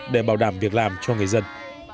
để bảo đảm việc làm cho người dân